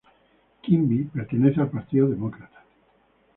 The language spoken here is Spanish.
Quimby pertenece al Partido Demócrata.